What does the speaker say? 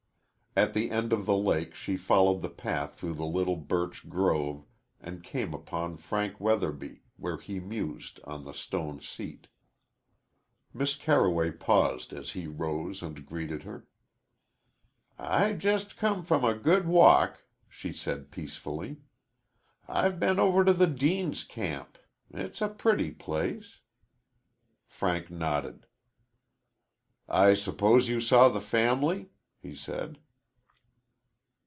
At the end of the lake she followed the path through the little birch grove and came upon Frank Weatherby, where he mused, on the stone seat. Miss Carroway paused as he rose and greeted her. "I just come from a good walk," she said peacefully. "I've been over to the Deanes' camp. It's a pretty place." Frank nodded. "I suppose you saw the family," he said.